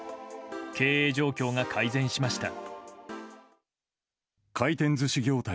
経営状況が改善しました。